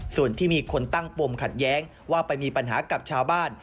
ส่วนที่มีคนตั้งปมขัดแย้งว่าไปมีปัญหากับชาวบ้าน